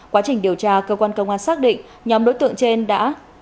quá trình điều tra cơ quan công an xác định nhóm đối tượng trên đã